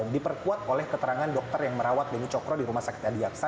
diperkuat oleh keterangan dokter yang merawat beni cokro di rumah sakit adi aksa